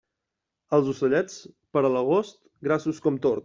Els ocellets, per l'agost, grassos com tords.